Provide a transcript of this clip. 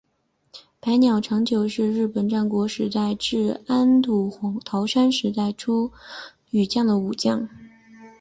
白鸟长久是日本战国时代至安土桃山时代于出羽国的武将。